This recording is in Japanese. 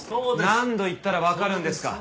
何度言ったらわかるんですか？